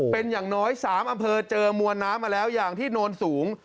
เป็นอย่างน้อย๓อำเภอเจอมวลน้ำมาแล้วอย่างที่โนนสูง